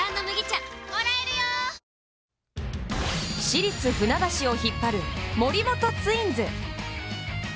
市立船橋を引っ張る森本ツインズ。